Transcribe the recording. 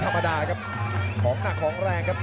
สวัสดิ์นุ่มสตึกชัยโลธสวัสดิ์